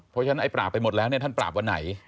เพราะฉะนั้นไอ้ปราบไปหมดแล้วเนี่ยท่านปราบวันไหน